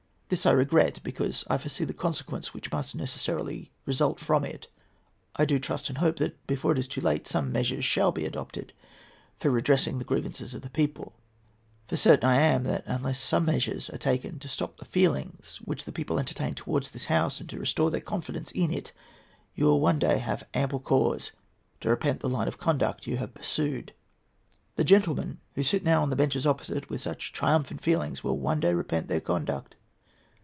This I regret, because I foresee the consequence which must necessarily result from it. I do trust and hope that before it is too late some measures shall be adopted for redressing the grievances of the people; for certain I am that unless some measures are taken to stop the feelings which the people entertain towards this House and to restore their confidence in it, you will one day have ample cause to repent the line of conduct you have pursued. The gentlemen who now sit on the benches opposite with such triumphant feelings will one day repent their conduct.